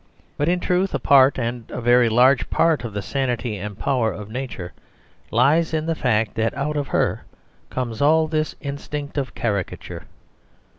But in truth a part, and a very large part, of the sanity and power of nature lies in the fact that out of her comes all this instinct of caricature.